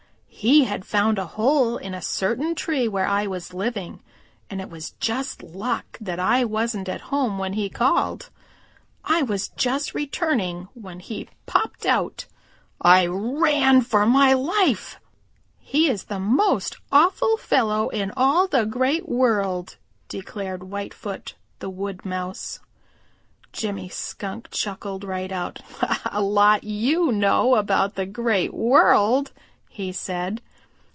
He had found a hole in a certain tree where I was living, and it was just luck that I wasn't at home when he called. I was just returning when he popped out. I ran for my life." "He is the most awful fellow in all the Great World," declared Whitefoot the Wood Mouse. Jimmy Skunk chuckled right out. "A lot you know about the Great World," he said.